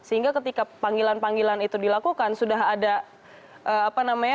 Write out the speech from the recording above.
sehingga ketika panggilan panggilan itu dilakukan sudah ada apa namanya